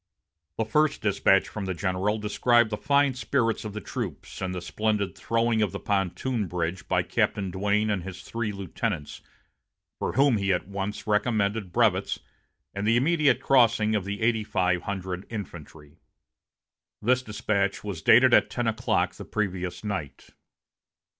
The first despatch from the general described the fine spirits of the troops, and the splendid throwing of the pontoon bridge by Captain Duane and his three lieutenants, for whom he at once recommended brevets, and the immediate crossing of eighty five hundred infantry. This despatch was dated at ten o'clock the previous night.